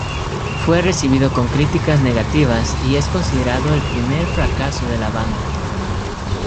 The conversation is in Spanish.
Fue recibido con críticas negativas y es considerado el primer fracaso de la banda.